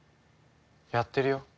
やってるよ。